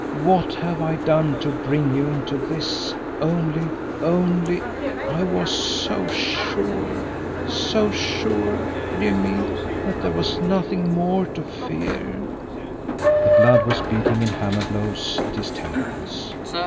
What have I done to bring you into this only only I was so sure, so sure, Jimmie, that there was nothing more to fear!" The blood was beating in hammer blows at his temples.